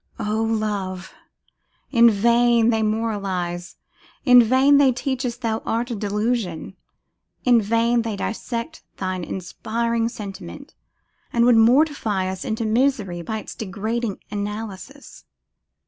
O Love! in vain they moralise; in vain they teach us thou art a delusion; in vain they dissect thine inspiring sentiment, and would mortify us into misery by its degrading analysis.